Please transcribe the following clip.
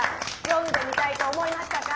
読んでみたいと思いましたか？